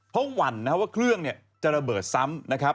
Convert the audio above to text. เพราะหวั่นว่าเครื่องจะระเบิดซ้ำ